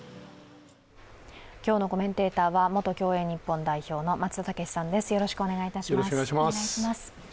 今日のコメンテーターは元競泳日本代表の松田丈志さんです、よろしくお願いいたします。